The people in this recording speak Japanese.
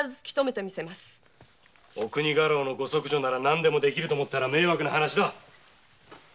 お国家老のご息女なら何でもできると思ったら迷惑な話だ！